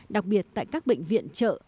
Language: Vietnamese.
đặc biệt tại các bệnh viện chợ